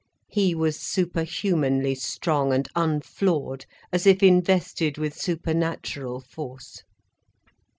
He was superhumanly strong, and unflawed, as if invested with supernatural force.